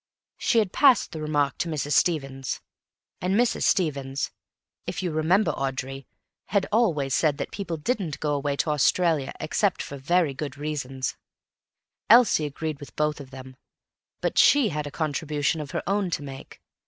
She had passed the remark to Mrs. Stevens. And Mrs. Stevens—if you remember, Audrey—had always said that people didn't go away to Australia except for very good reasons. Elsie agreed with both of them, but she had a contribution of her own to make.